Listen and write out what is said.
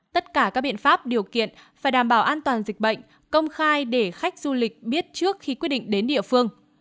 tất cả các biện pháp điều kiện phải đảm bảo an toàn dịch bệnh công khai để khách du lịch biết trước khi quyết định đến địa phương